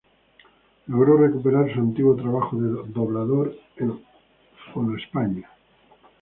Logró recuperar su antiguo trabajo de doblador en Fono España.